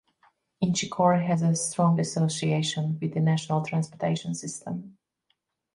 Inchicore has a strong association with the national transportation system.